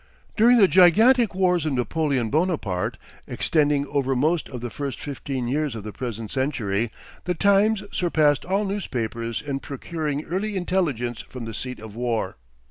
During the gigantic wars of Napoleon Bonaparte, extending over most of the first fifteen years of the present century, "The Times" surpassed all newspapers in procuring early intelligence from the seat of war.